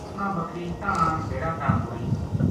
اس نا بکری تنہاں ڈیرا تا موڑی